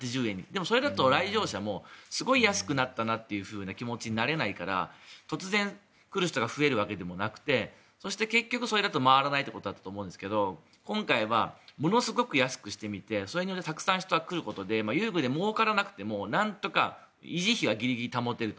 でもそれだと来場者もすごく安くなったなという気持ちになれないから突然、来る人が増えるわけでもなくてそして結局それだと回らないということだったと思うんですが今回はものすごく安くしてみてそれでたくさん人が来ることによって遊具でもうからなくてもなんとか維持費はギリギリ保てる。